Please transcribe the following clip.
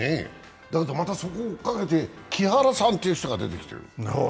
またそこを追いかけて、木原さんという人が出てきている。